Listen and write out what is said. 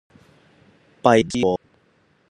閉門思過